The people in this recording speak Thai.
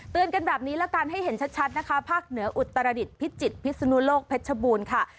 กันแบบนี้ละกันให้เห็นชัดนะคะภาคเหนืออุตรดิษฐพิจิตรพิศนุโลกเพชรบูรณ์ค่ะ